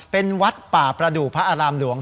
เป็นวัดป่าประดูกพระอารามหลวง